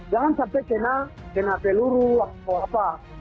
jangan sampai kena peluru atau apa